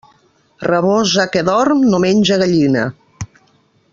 Rabosa que dorm, no menja gallina.